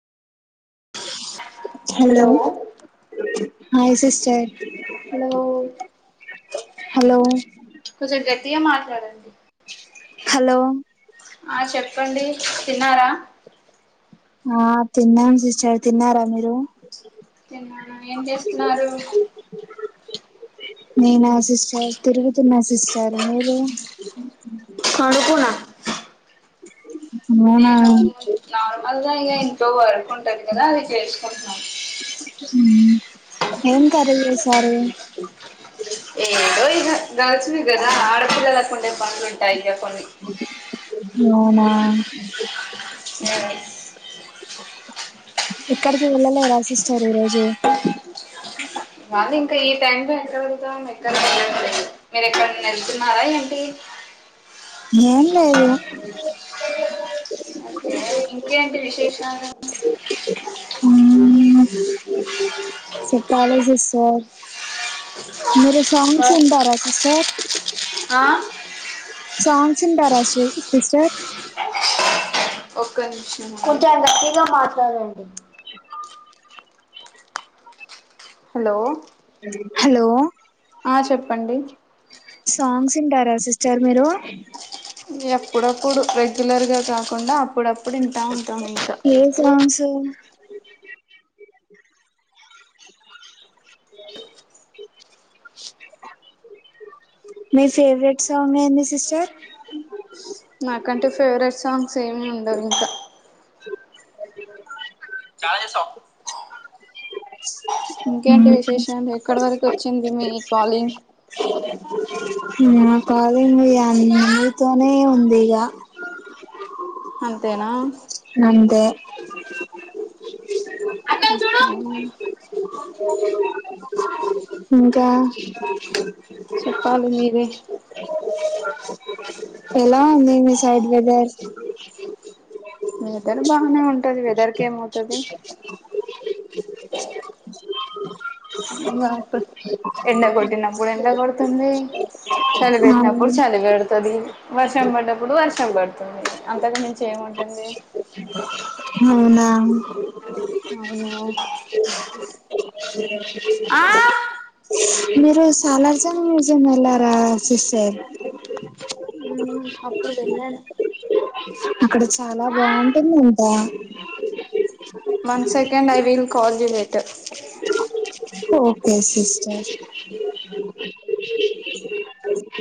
Hello hi sister hello hello కొంచెం గట్టిగా మాట్లాడండి. హలో ఆ చెప్పండి తిన్నారా, ఆ తిన్నాను సిస్టర్ తిన్నారా మీరు తిన్నాను ఏం చేస్తున్నారు, నేను సిస్టర్ తిరుగుతున్న సిస్టర్ మీరు పండుకున్న [unintelligible] నేను నార్మల్గా ఇంట్లో పండుకుంటా ఎంతాగానం చేసినం కదా ఉ ఎం కర్రీ చేసారు, ఏదో ఇగా గ్యాస్ మీద పెట్టాను ఆడపిల్లాకుంటే పని లేకుంటే ఉంటా ఇగ టైం అవునా ఎక్కడికి వెళ్ళలే రా సిస్టర్ ఈరోజు వాళ్ళు ఇంకా ఈ టైం లో ఎక్కడ వెళ్తాం ఎక్కడ వెళ్ళలేదు మీరు ఎక్కడన్నా యెళ్తున్నారా ఏంటి ఏం లేదు ఓకే ఇంకేంటి విశేషాలు ఉమ్ సేప్పాలే సిస్టర్ మీరు సాంగ్స్ ఇంటారా సిస్టర్ ఆ సాంగ్స్ ఇంటారా సిస్టర్ ఒక్కనిమిషం కొంచెం గట్టీగా మాట్లాడండి [inaudible] హలో హలో ఆ చెప్పండి సాంగ్స్ ఇంటారా సిస్టర్ మీరు ఎప్పుడప్పుడు రెగ్యులర్ గా కాకుండా అప్పుడప్పు ఏ సాంగ్స్ మీ ఫేవరెట్ సాంగ్ ఏంది సిస్టర్ నాకంటే ఫేవరెట్ సాంగ్స్ ఏమి ఉండవు ఇంకా ఇంకేంటి విశేషాలు ఎక్కడి వరకు వచ్చింది మీ కాలింగ్ నా కాలింగ్ అన్నితోనే ఉంది ఇగ అంతేనా అంతే ఓకే ఇంకా చెప్పాలి మీరే ఎలా ఉంది మీ సైడ్ వెదర్ వెదర్ బానే ఉంటది వెదర్ కేమౌతది ఇంగ అప్పుడు ఎండ గొట్టినప్పుడు ఎండ గొడుతుంది. చలి అవు బెట్టినప్పుడు చలి బెడ్తది. వర్షం బడ్డప్పుడు వర్షం బడుతుంది అంతకు మించి ఏముంటుంది అవునా అవును [inaudible] ఆ మీరు సాలార్ జంగ్ మ్యూజియం యెళ్ళారా సిస్టర్ ఉమ్ అప్పుడు వేళ్లాను అక్కడ చాలా బాగుంటుందంట one second I will call you later okay sister